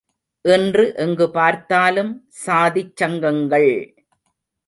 இன்று எங்கு பார்த்தாலும் சாதிச் சங்கங்கள்!